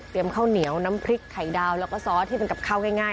ข้าวเหนียวน้ำพริกไข่ดาวแล้วก็ซอสที่เป็นกับข้าวง่าย